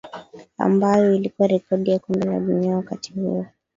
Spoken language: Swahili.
Ambayo ilikuwa rekodi ya Kombe la Dunia wakati huo